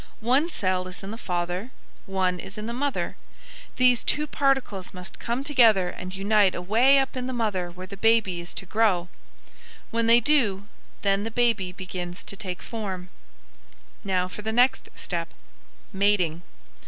One cell is in the father, one is in the mother. These two particles must come together and unite away up in the mother where the baby is to grow. When they do, then the baby begins to take form." Now for the next step, mating.